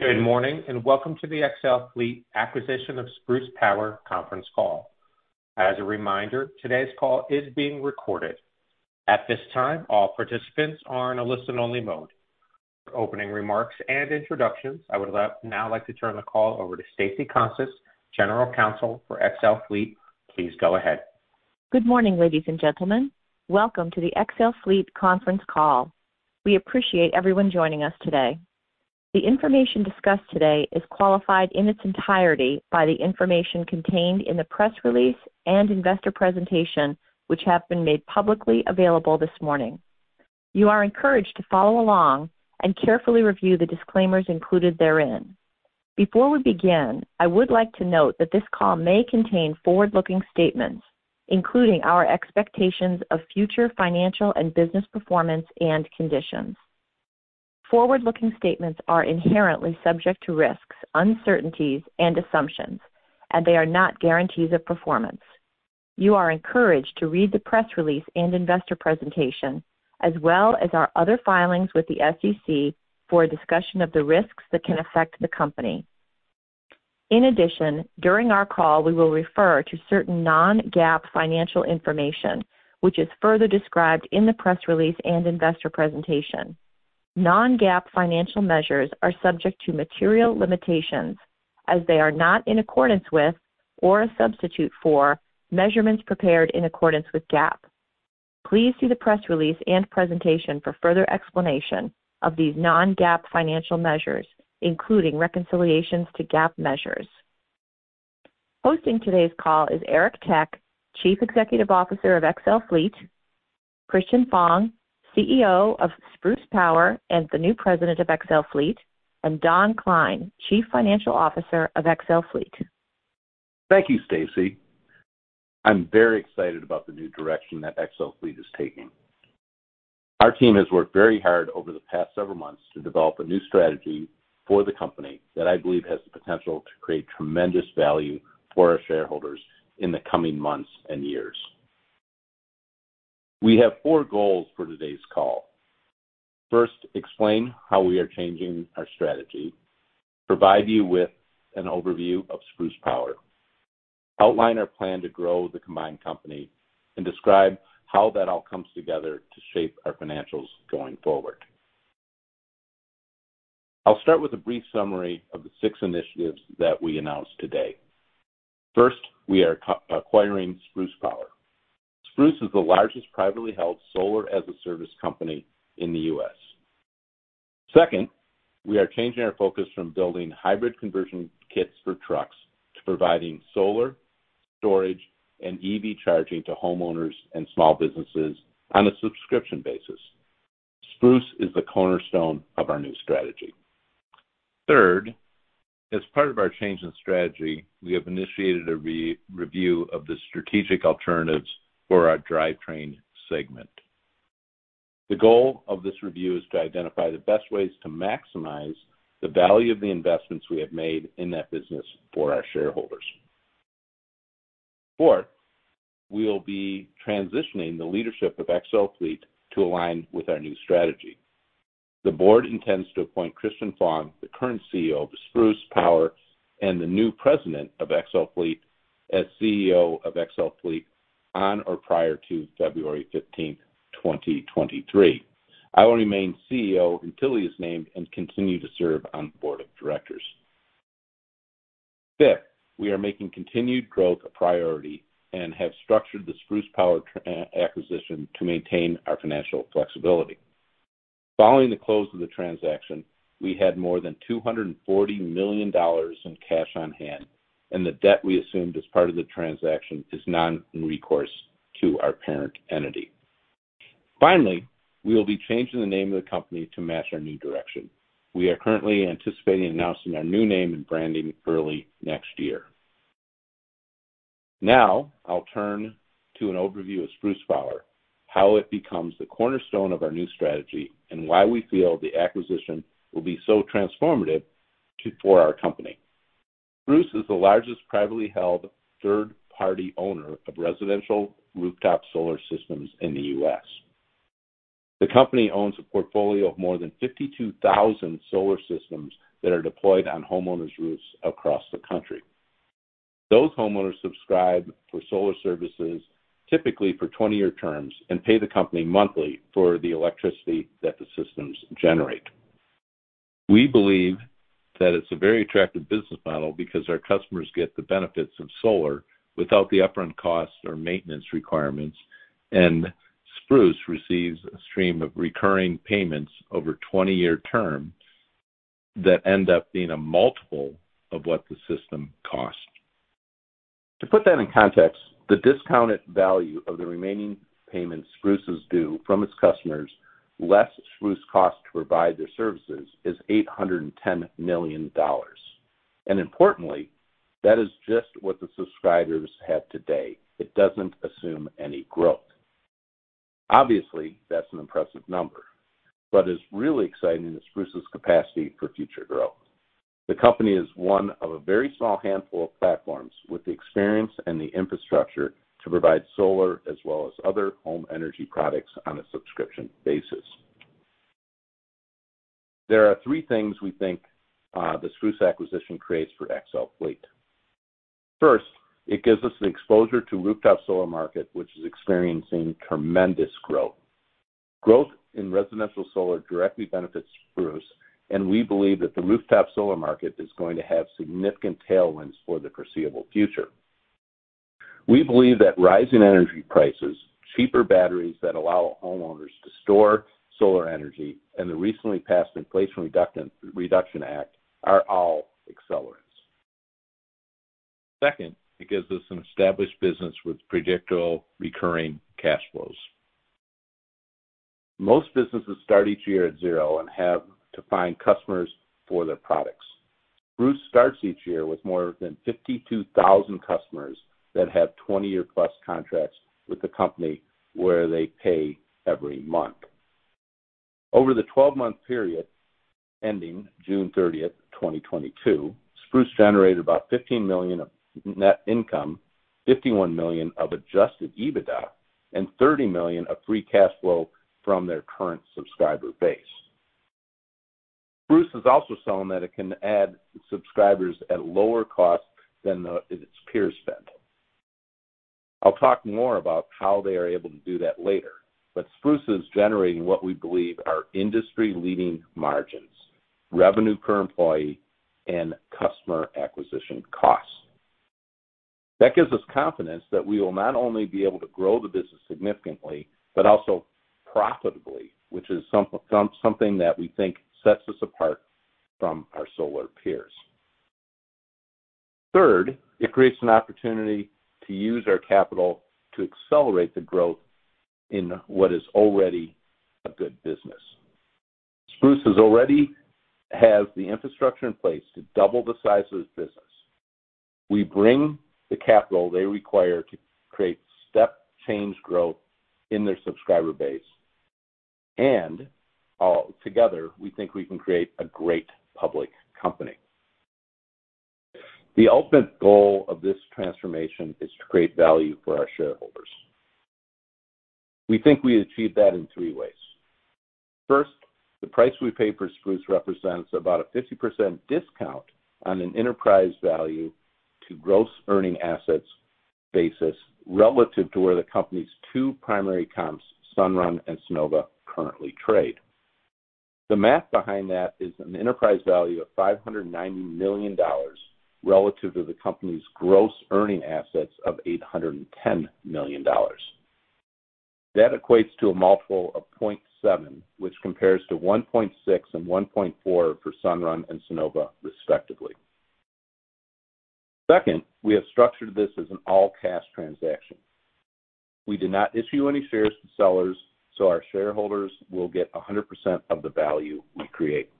Good morning, and welcome to the XL Fleet Acquisition of Spruce Power Conference Call. As a reminder, today's call is being recorded. At this time, all participants are in a listen-only mode. Opening remarks and introductions. I would now like to turn the call over to Stacey Constas, General Counsel for XL Fleet. Please go ahead. Good morning, ladies and gentlemen. Welcome to the XL Fleet conference call. We appreciate everyone joining us today. The information discussed today is qualified in its entirety by the information contained in the press release and investor presentation, which have been made publicly available this morning. You are encouraged to follow along and carefully review the disclaimers included therein. Before we begin, I would like to note that this call may contain forward-looking statements, including our expectations of future financial and business performance and conditions. Forward-looking statements are inherently subject to risks, uncertainties, and assumptions, and they are not guarantees of performance. You are encouraged to read the press release and investor presentation as well as our other filings with the SEC for a discussion of the risks that can affect the company. In addition, during our call, we will refer to certain non-GAAP financial information, which is further described in the press release and investor presentation. Non-GAAP financial measures are subject to material limitations as they are not in accordance with or a substitute for measurements prepared in accordance with GAAP. Please see the press release and presentation for further explanation of these non-GAAP financial measures, including reconciliations to GAAP measures. Hosting today's call is Eric Tech, Chief Executive Officer of XL Fleet, Christian Fong, CEO of Spruce Power and the new president of XL Fleet, and Don Klein, Chief Financial Officer of XL Fleet. Thank you, Stacey. I'm very excited about the new direction that XL Fleet is taking. Our team has worked very hard over the past several months to develop a new strategy for the company that I believe has the potential to create tremendous value for our shareholders in the coming months and years. We have four goals for today's call. First, explain how we are changing our strategy, provide you with an overview of Spruce Power, outline our plan to grow the combined company, and describe how that all comes together to shape our financials going forward. I'll start with a brief summary of the six initiatives that we announced today. First, we are acquiring Spruce Power. Spruce is the largest privately held solar-as-a-service company in the U.S. Second, we are changing our focus from building hybrid conversion kits for trucks to providing solar, storage, and EV charging to homeowners and small businesses on a subscription basis. Spruce is the cornerstone of our new strategy. Third, as part of our change in strategy, we have initiated a re-review of the strategic alternatives for our drivetrain segment. The goal of this review is to identify the best ways to maximize the value of the investments we have made in that business for our shareholders. Fourth, we will be transitioning the leadership of XL Fleet to align with our new strategy. The board intends to appoint Christian Fong, the current CEO of Spruce Power and the new president of XL Fleet, as CEO of XL Fleet on or prior to February fifteenth, 2023. I will remain CEO until he is named and continue to serve on the board of directors. Fifth, we are making continued growth a priority and have structured the Spruce Power acquisition to maintain our financial flexibility. Following the close of the transaction, we had more than $240 million in cash on hand, and the debt we assumed as part of the transaction is non-recourse to our parent entity. Finally, we will be changing the name of the company to match our new direction. We are currently anticipating announcing our new name and branding early next year. Now, I'll turn to an overview of Spruce Power, how it becomes the cornerstone of our new strategy, and why we feel the acquisition will be so transformative for our company. Spruce is the largest privately held third-party owner of residential rooftop solar systems in the U.S. The company owns a portfolio of more than 52,000 solar systems that are deployed on homeowners' roofs across the country. Those homeowners subscribe for solar services, typically for 20-year terms, and pay the company monthly for the electricity that the systems generate. We believe that it's a very attractive business model because our customers get the benefits of solar without the upfront costs or maintenance requirements, and Spruce receives a stream of recurring payments over 20-year terms that end up being a multiple of what the system costs. To put that in context, the discounted value of the remaining payments Spruce is due from its customers, less Spruce costs to provide their services, is $810 million. Importantly, that is just what the subscribers have today. It doesn't assume any growth. Obviously, that's an impressive number, but what's really exciting is Spruce's capacity for future growth. The company is one of a very small handful of platforms with the experience and the infrastructure to provide solar as well as other home energy products on a subscription basis. There are three things we think the Spruce acquisition creates for XL Fleet. First, it gives us an exposure to rooftop solar market, which is experiencing tremendous growth. Growth in residential solar directly benefits Spruce, and we believe that the rooftop solar market is going to have significant tailwinds for the foreseeable future. We believe that rising energy prices, cheaper batteries that allow homeowners to store solar energy, and the recently passed Inflation Reduction Act are all accelerants. Second, it gives us an established business with predictable recurring cash flows. Most businesses start each year at zero and have to find customers for their products. Spruce starts each year with more than 52,000 customers that have 20-year-plus contracts with the company where they pay every month. Over the twelve-month period ending June 30th, 2022, Spruce generated about $15 million of net income, $51 million of adjusted EBITDA, and $30 million of free cash flow from their current subscriber base. Spruce is also selling that it can add subscribers at lower cost than its peers spend. I'll talk more about how they are able to do that later. Spruce is generating what we believe are industry-leading margins, revenue per employee, and customer acquisition costs. That gives us confidence that we will not only be able to grow the business significantly, but also profitably, which is something that we think sets us apart from our solar peers. Third, it creates an opportunity to use our capital to accelerate the growth in what is already a good business. Spruce already has the infrastructure in place to double the size of this business. We bring the capital they require to create step change growth in their subscriber base, and all together, we think we can create a great public company. The ultimate goal of this transformation is to create value for our shareholders. We think we achieve that in three ways. First, the price we pay per Spruce represents about a 50% discount on an enterprise value to gross earning assets basis relative to where the company's two primary comps, Sunrun and Sunnova, currently trade. The math behind that is an enterprise value of $590 million relative to the company's gross earning assets of $810 million. That equates to a multiple of 0.7, which compares to 1.6 and 1.4 for Sunrun and Sunnova, respectively. Second, we have structured this as an all-cash transaction. We did not issue any shares to sellers, so our shareholders will get 100% of the value we create.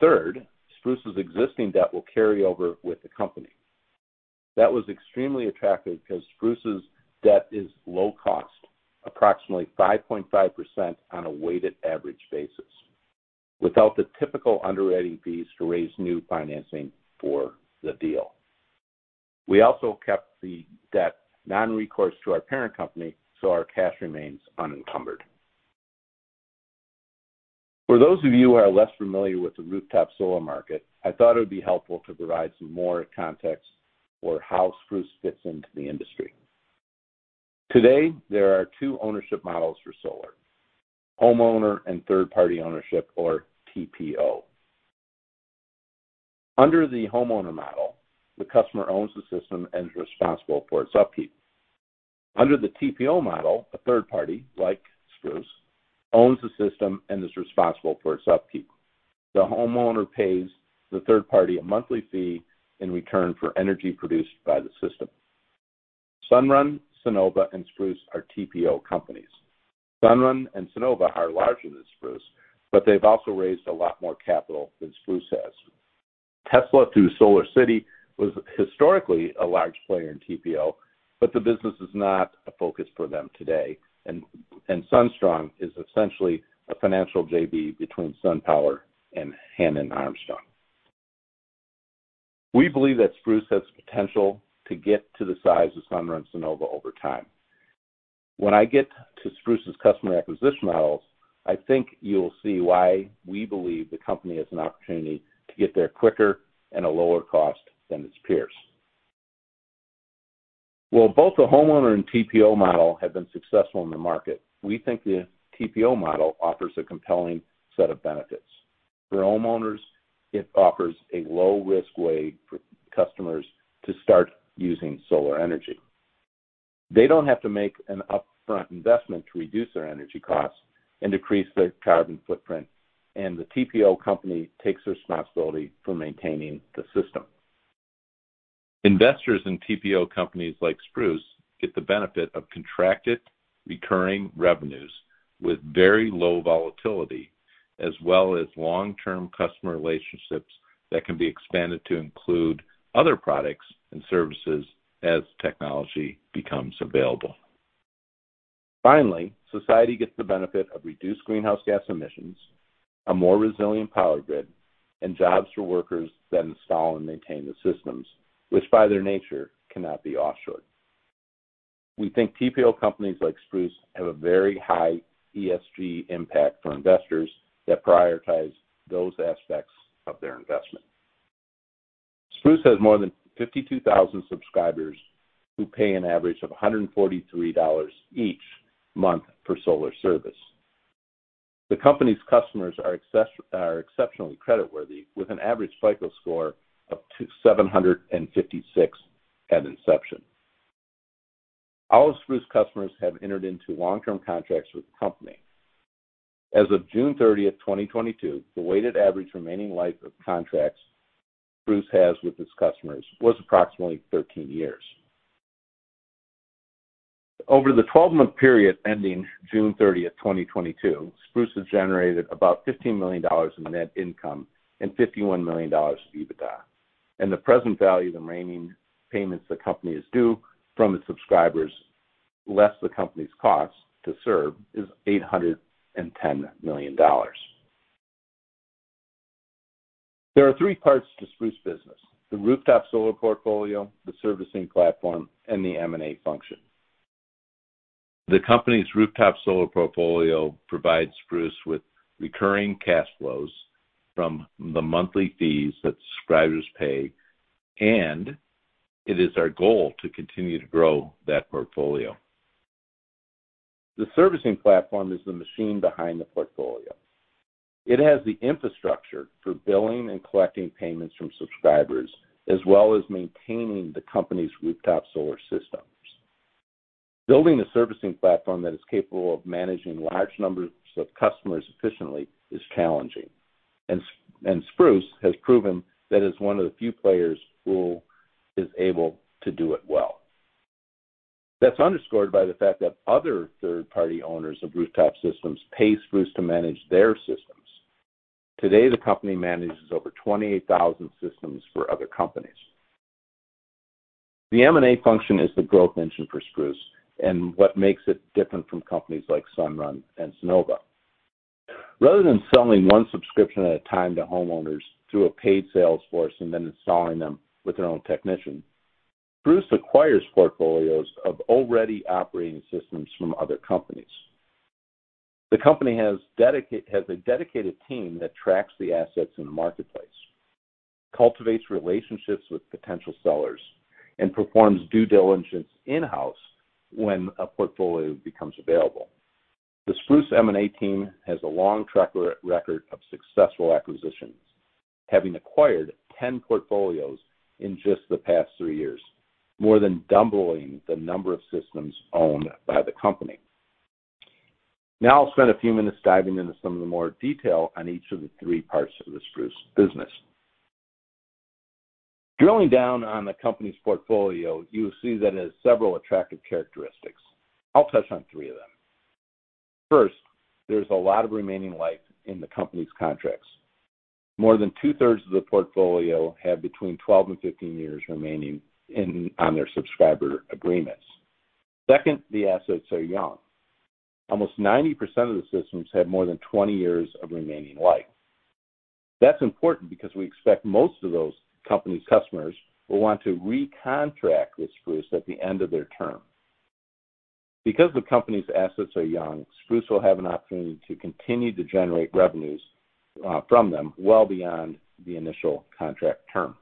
Third, Spruce's existing debt will carry over with the company. That was extremely attractive 'cause Spruce's debt is low cost, approximately 5.5% on a weighted average basis. Without the typical underwriting fees to raise new financing for the deal. We also kept the debt nonrecourse to our parent company, so our cash remains unencumbered. For those of you who are less familiar with the rooftop solar market, I thought it would be helpful to provide some more context for how Spruce fits into the industry. Today, there are two ownership models for solar, homeowner and third-party ownership or TPO. Under the homeowner model, the customer owns the system and is responsible for its upkeep. Under the TPO model, a third party, like Spruce, owns the system and is responsible for its upkeep. The homeowner pays the third party a monthly fee in return for energy produced by the system. Sunrun, Sunnova, and Spruce are TPO companies. Sunrun and Sunnova are larger than Spruce, but they've also raised a lot more capital than Spruce has. Tesla, through SolarCity, was historically a large player in TPO, but the business is not a focus for them today. SunStrong Capital is essentially a financial JV between SunPower and Hannon Armstrong. We believe that Spruce has potential to get to the size of Sunrun, Sunnova over time. When I get to Spruce's customer acquisition models, I think you'll see why we believe the company has an opportunity to get there quicker and at lower cost than its peers. While both the homeowner and TPO model have been successful in the market, we think the TPO model offers a compelling set of benefits. For homeowners, it offers a low-risk way for customers to start using solar energy. They don't have to make an upfront investment to reduce their energy costs and decrease their carbon footprint, and the TPO company takes responsibility for maintaining the system. Investors in TPO companies like Spruce get the benefit of contracted recurring revenues with very low volatility as well as long-term customer relationships that can be expanded to include other products and services as technology becomes available. Finally, society gets the benefit of reduced greenhouse gas emissions, a more resilient power grid, and jobs for workers that install and maintain the systems, which by their nature cannot be offshored. We think TPO companies like Spruce have a very high ESG impact for investors that prioritize those aspects of their investment. Spruce has more than 52,000 subscribers who pay an average of $143 each month for solar service. The company's customers are exceptionally creditworthy, with an average FICO score up to 756 at inception. All of Spruce customers have entered into long-term contracts with the company. As of June 30th, 2022, the weighted average remaining life of contracts Spruce has with its customers was approximately 13 years. Over the 12-month period ending June 30th, 2022, Spruce has generated about $15 million in net income and $51 million of EBITDA, and the present value of the remaining payments the company is due from its subscribers, less the company's cost to serve, is $810 million. There are three parts to Spruce business: the rooftop solar portfolio, the servicing platform, and the M&A function. The company's rooftop solar portfolio provides Spruce with recurring cash flows from the monthly fees that subscribers pay, and it is our goal to continue to grow that portfolio. The servicing platform is the machine behind the portfolio. It has the infrastructure for billing and collecting payments from subscribers, as well as maintaining the company's rooftop solar systems. Building a servicing platform that is capable of managing large numbers of customers efficiently is challenging. Spruce has proven that it's one of the few players who is able to do it well. That's underscored by the fact that other third-party owners of rooftop systems pay Spruce to manage their systems. Today, the company manages over 28,000 systems for other companies. The M&A function is the growth engine for Spruce and what makes it different from companies like Sunrun and Sunnova. Rather than selling one subscription at a time to homeowners through a paid sales force and then installing them with their own technician, Spruce acquires portfolios of already operating systems from other companies. The company has a dedicated team that tracks the assets in the marketplace, cultivates relationships with potential sellers, and performs due diligence in-house when a portfolio becomes available. The Spruce M&A team has a long track record of successful acquisitions, having acquired 10 portfolios in just the past three years, more than doubling the number of systems owned by the company. Now I'll spend a few minutes diving into some of the more detail on each of the three parts of the Spruce business. Drilling down on the company's portfolio, you'll see that it has several attractive characteristics. I'll touch on three of them. First, there's a lot of remaining life in the company's contracts. More than 2/3 of the portfolio have between 12 and 15 years remaining on their subscriber agreements. Second, the assets are young. Almost 90% of the systems have more than 20 years of remaining life. That's important because we expect most of those company's customers will want to recontract with Spruce at the end of their term. Because the company's assets are young, Spruce will have an opportunity to continue to generate revenues from them well beyond the initial contract term.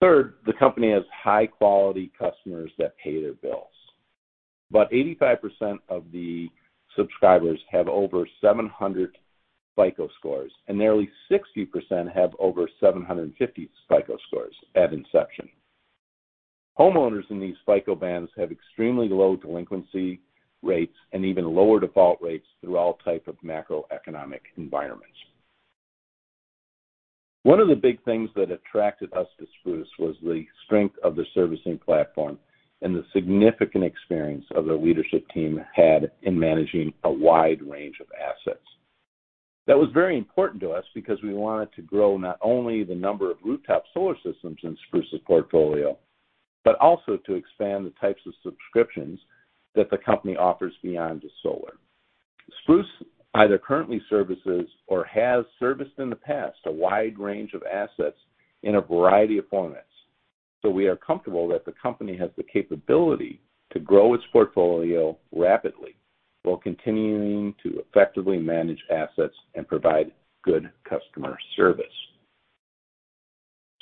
Third, the company has high-quality customers that pay their bills. About 85% of the subscribers have over 700 FICO scores, and nearly 60% have over 750 FICO scores at inception. Homeowners in these FICO bands have extremely low delinquency rates and even lower default rates through all type of macroeconomic environments. One of the big things that attracted us to Spruce was the strength of the servicing platform and the significant experience of their leadership team had in managing a wide range of assets. That was very important to us because we wanted to grow not only the number of rooftop solar systems in Spruce's portfolio, but also to expand the types of subscriptions that the company offers beyond just solar. Spruce either currently services or has serviced in the past a wide range of assets in a variety of formats. We are comfortable that the company has the capability to grow its portfolio rapidly while continuing to effectively manage assets and provide good customer service.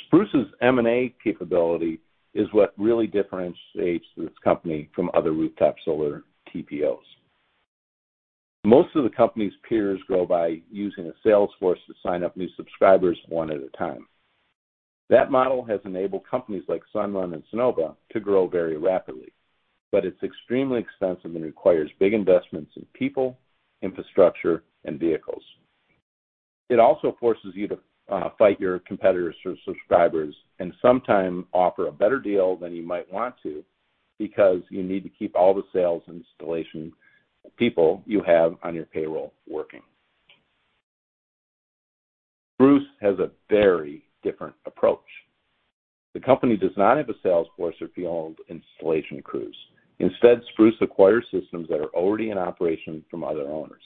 Spruce's M&A capability is what really differentiates this company from other rooftop solar TPOs. Most of the company's peers grow by using a sales force to sign up new subscribers one at a time. That model has enabled companies like Sunrun and Sunnova to grow very rapidly, but it's extremely expensive and requires big investments in people, infrastructure, and vehicles. It also forces you to fight your competitors for subscribers and sometimes offer a better deal than you might want to because you need to keep all the sales installation people you have on your payroll working. Spruce has a very different approach. The company does not have a sales force or field installation crews. Instead, Spruce acquire systems that are already in operation from other owners.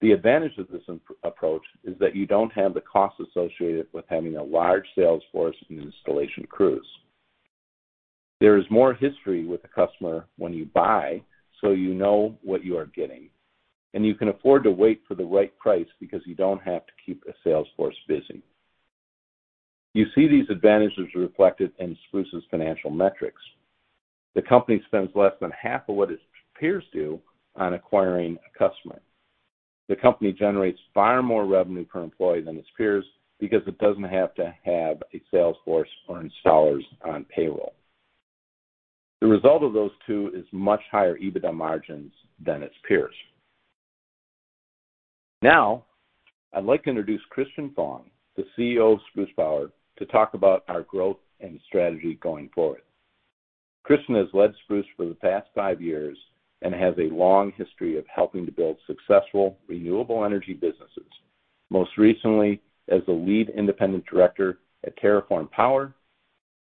The advantage of this approach is that you don't have the costs associated with having a large sales force and installation crews. There is more history with the customer when you buy, so you know what you are getting, and you can afford to wait for the right price because you don't have to keep a sales force busy. You see these advantages reflected in Spruce's financial metrics. The company spends less than half of what its peers do on acquiring a customer. The company generates far more revenue per employee than its peers because it doesn't have to have a sales force or installers on payroll. The result of those two is much higher EBITDA margins than its peers. Now, I'd like to introduce Christian Fong, the CEO of Spruce Power, to talk about our growth and strategy going forward. Christian has led Spruce for the past five years and has a long history of helping to build successful renewable energy businesses, most recently as the Lead Independent Director at TerraForm Power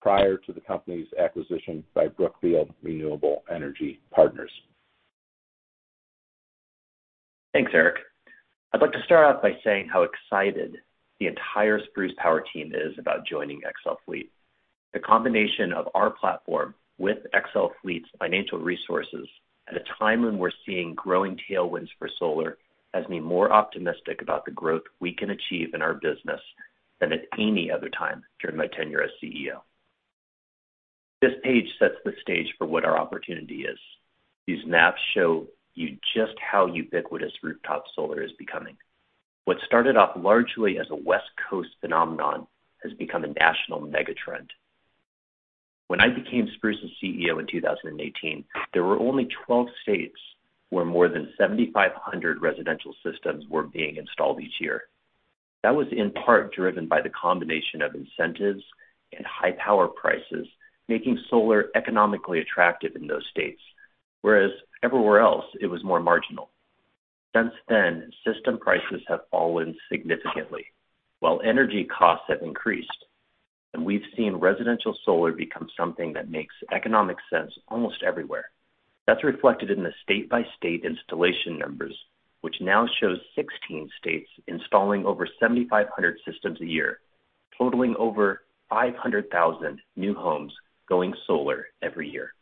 prior to the company's acquisition by Brookfield Renewable Partners. Thanks, Eric. I'd like to start off by saying how excited the entire Spruce Power team is about joining XL Fleet. The combination of our platform with XL Fleet's financial resources at a time when we're seeing growing tailwinds for solar has me more optimistic about the growth we can achieve in our business than at any other time during my tenure as CEO. This page sets the stage for what our opportunity is. These maps show you just how ubiquitous rooftop solar is becoming. What started off largely as a West Coast phenomenon has become a national megatrend. When I became Spruce's CEO in 2018, there were only 12 states where more than 7,500 residential systems were being installed each year. That was in part driven by the combination of incentives and high power prices, making solar economically attractive in those states. Whereas everywhere else, it was more marginal. Since then, system prices have fallen significantly while energy costs have increased, and we've seen residential solar become something that makes economic sense almost everywhere. That's reflected in the state-by-state installation numbers, which now shows 16 states installing over 7,500 systems a year, totaling over 500,000 new homes going solar every year.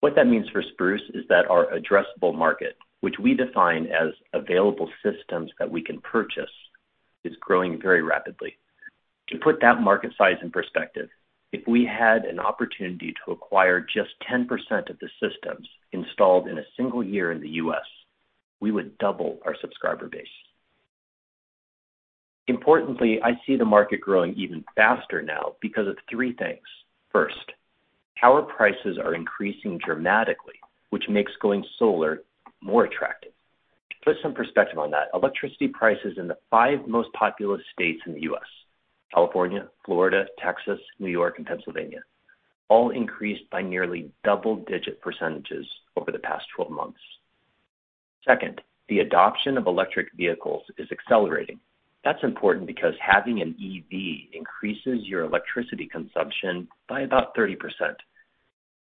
What that means for Spruce is that our addressable market, which we define as available systems that we can purchase, is growing very rapidly. To put that market size in perspective, if we had an opportunity to acquire just 10% of the systems installed in a single year in the U.S., we would double our subscriber base. Importantly, I see the market growing even faster now because of three things. First, power prices are increasing dramatically, which makes going solar more attractive. To put some perspective on that, electricity prices in the five most populous states in the U.S., California, Florida, Texas, New York, and Pennsylvania, all increased by nearly double-digit percentages over the past 12 months. Second, the adoption of electric vehicles is accelerating. That's important because having an EV increases your electricity consumption by about 30%.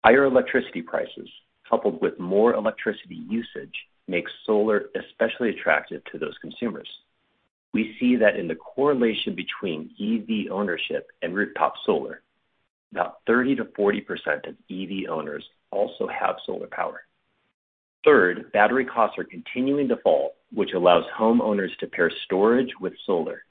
Higher electricity prices, coupled with more electricity usage, makes solar especially attractive to those consumers. We see that in the correlation between EV ownership and rooftop solar. About 30% to 40% of EV owners also have solar power. Third, battery costs are continuing to fall, which allows homeowners to pair storage with solar.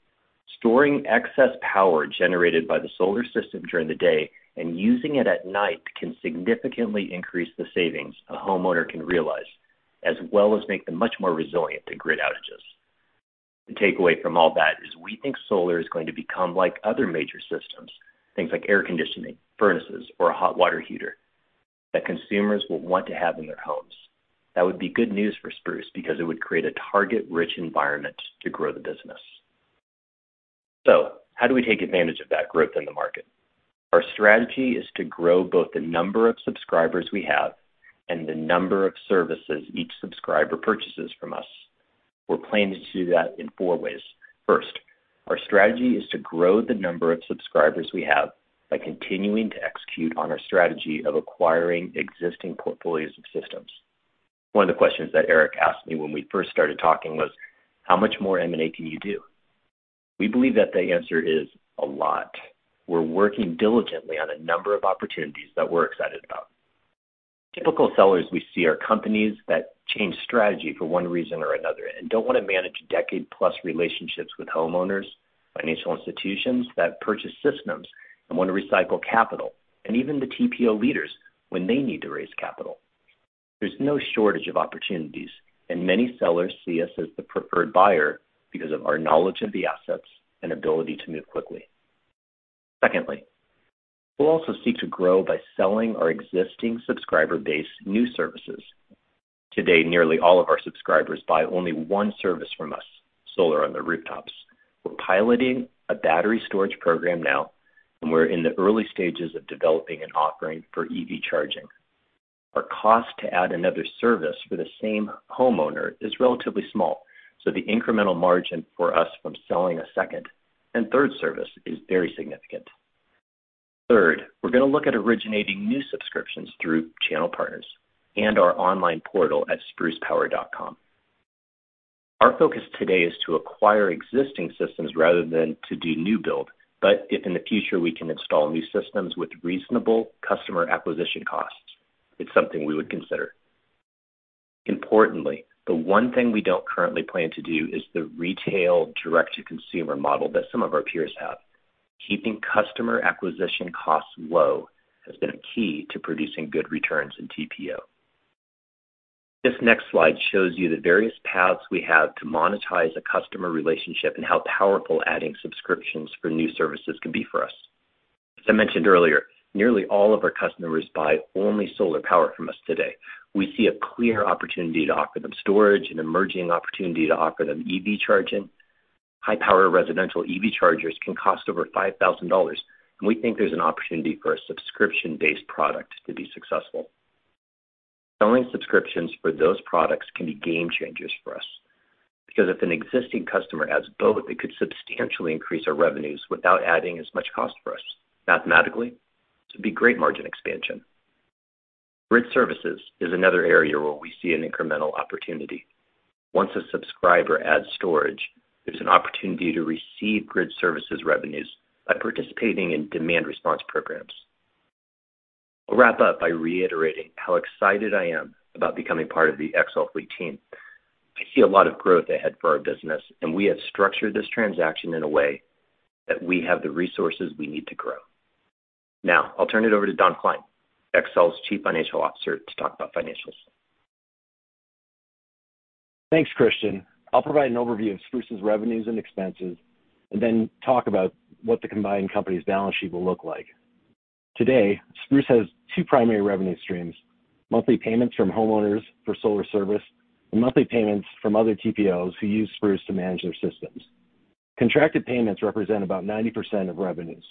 Storing excess power generated by the solar system during the day and using it at night can significantly increase the savings a homeowner can realize, as well as make them much more resilient to grid outages. The takeaway from all that is we think solar is going to become like other major systems, things like air conditioning, furnaces, or a hot water heater that consumers will want to have in their homes. That would be good news for Spruce because it would create a target-rich environment to grow the business. How do we take advantage of that growth in the market? Our strategy is to grow both the number of subscribers we have and the number of services each subscriber purchases from us. We're planning to do that in four ways. First, our strategy is to grow the number of subscribers we have by continuing to execute on our strategy of acquiring existing portfolios of systems. One of the questions that Eric asked me when we first started talking was, "How much more M&A can you do?" We believe that the answer is a lot. We're working diligently on a number of opportunities that we're excited about. Typical sellers we see are companies that change strategy for one reason or another, and don't want to manage decade-plus relationships with homeowners, financial institutions that purchase systems and want to recycle capital, and even the TPO leaders when they need to raise capital. There's no shortage of opportunities, and many sellers see us as the preferred buyer because of our knowledge of the assets and ability to move quickly. Secondly, we'll also seek to grow by selling our existing subscriber base new services. Today, nearly all of our subscribers buy only one service from us, solar on their rooftops. We're piloting a battery storage program now, and we're in the early stages of developing an offering for EV charging. Our cost to add another service for the same homeowner is relatively small, so the incremental margin for us from selling a second and third service is very significant. Third, we're gonna look at originating new subscriptions through channel partners and our online portal at sprucepower.com. Our focus today is to acquire existing systems rather than to do new build. If in the future we can install new systems with reasonable customer acquisition costs, it's something we would consider. Importantly, the one thing we don't currently plan to do is the retail direct-to-consumer model that some of our peers have. Keeping customer acquisition costs low has been a key to producing good returns in TPO. This next slide shows you the various paths we have to monetize a customer relationship and how powerful adding subscriptions for new services can be for us. As I mentioned earlier, nearly all of our customers buy only solar power from us today. We see a clear opportunity to offer them storage and emerging opportunity to offer them EV charging. High power residential EV chargers can cost over $5,000, and we think there's an opportunity for a subscription-based product to be successful. Selling subscriptions for those products can be game changers for us, because if an existing customer adds both, it could substantially increase our revenues without adding as much cost for us. Mathematically, this would be great margin expansion. grid services is another area where we see an incremental opportunity. Once a subscriber adds storage, there's an opportunity to receive grid services revenues by participating in demand response programs. I'll wrap up by reiterating how excited I am about becoming part of the XL Fleet team. I see a lot of growth ahead for our business, and we have structured this transaction in a way that we have the resources we need to grow. Now, I'll turn it over to Donald Klein, XL Fleet's Chief Financial Officer, to talk about financials. Thanks, Christian. I'll provide an overview of Spruce's revenues and expenses, and then talk about what the combined company's balance sheet will look like. Today, Spruce has two primary revenue streams, monthly payments from homeowners for solar service, and monthly payments from other TPOs who use Spruce to manage their systems. Contracted payments represent about 90% of revenues.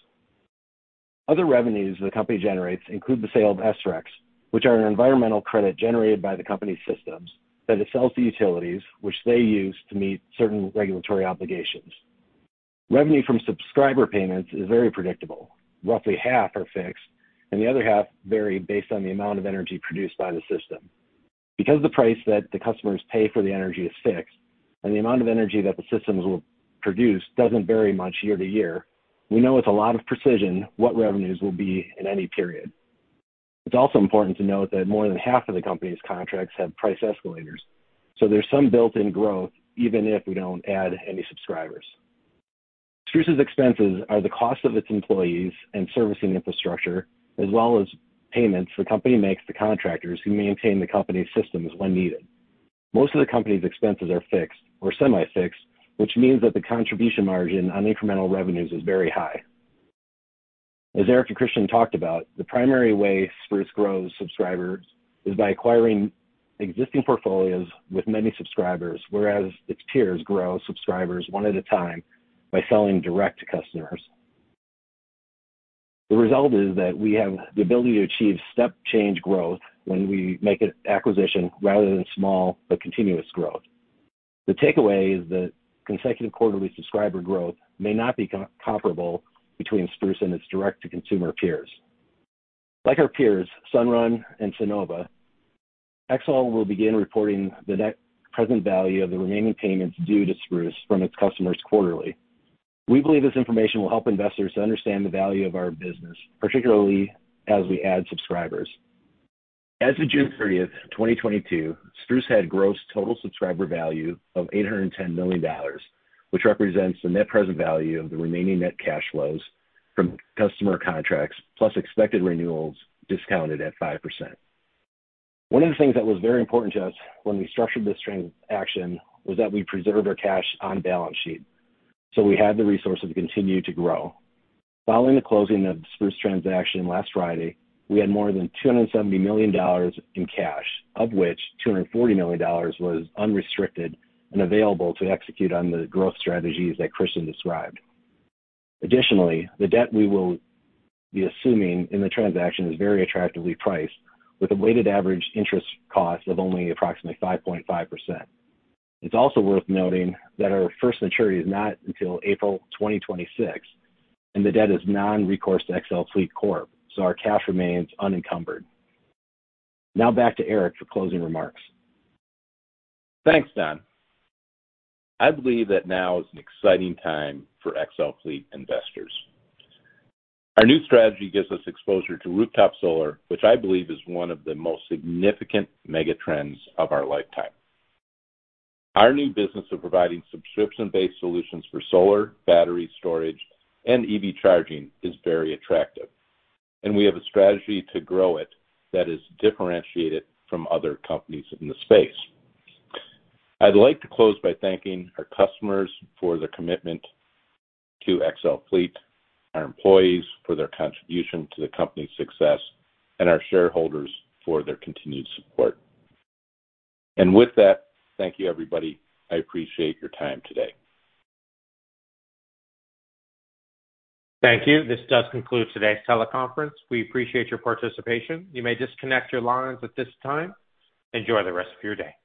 Other revenues the company generates include the sale of SRECs, which are an environmental credit generated by the company's systems that it sells to utilities, which they use to meet certain regulatory obligations. Revenue from subscriber payments is very predictable. Roughly half are fixed, and the other half vary based on the amount of energy produced by the system. Because the price that the customers pay for the energy is fixed and the amount of energy that the systems will produce doesn't vary much year to year, we know with a lot of precision what revenues will be in any period. It's also important to note that more than half of the company's contracts have price escalators, so there's some built-in growth even if we don't add any subscribers. Spruce's expenses are the cost of its employees and servicing infrastructure, as well as payments the company makes to contractors who maintain the company's systems when needed. Most of the company's expenses are fixed or semi-fixed, which means that the contribution margin on incremental revenues is very high. As Eric and Christian talked about, the primary way Spruce grows subscribers is by acquiring existing portfolios with many subscribers, whereas its peers grow subscribers one at a time by selling direct to customers. The result is that we have the ability to achieve step change growth when we make an acquisition rather than small but continuous growth. The takeaway is that consecutive quarterly subscriber growth may not be comparable between Spruce and its direct-to-consumer peers. Like our peers, Sunrun and Sunnova, XL Fleet will begin reporting the net present value of the remaining payments due to Spruce from its customers quarterly. We believe this information will help investors to understand the value of our business, particularly as we add subscribers. As of June 30th, 2022, Spruce had Gross Total Subscriber Value of $810 million, which represents the net present value of the remaining net cash flows from customer contracts, plus expected renewals discounted at 5%. One of the things that was very important to us when we structured this transaction was that we preserved our cash on balance sheet, so we had the resources to continue to grow. Following the closing of the Spruce transaction last Friday, we had more than $270 million in cash, of which $240 million was unrestricted and available to execute on the growth strategies that Christian described. Additionally, the debt we will be assuming in the transaction is very attractively priced with a weighted average interest cost of only approximately 5.5%. It's also worth noting that our first maturity is not until April 2026, and the debt is non-recourse to XL Fleet Corporation, so our cash remains unencumbered. Now back to Eric for closing remarks. Thanks, Don. I believe that now is an exciting time for XL Fleet investors. Our new strategy gives us exposure to rooftop solar, which I believe is one of the most significant mega trends of our lifetime. Our new business of providing subscription-based solutions for solar, battery, storage, and EV charging is very attractive, and we have a strategy to grow it that is differentiated from other companies in the space. I'd like to close by thanking our customers for their commitment to XL Fleet, our employees for their contribution to the company's success, and our shareholders for their continued support. With that, thank you, everybody. I appreciate your time today. Thank you. This does conclude today's teleconference. We appreciate your participation. You may disconnect your lines at this time. Enjoy the rest of your day.